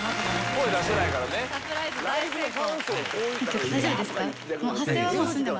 サプライズ大成功。